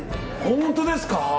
本当ですか？